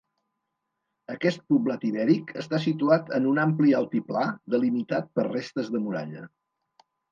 Aquest poblat ibèric està situat en un ampli altiplà, delimitat per restes de muralla.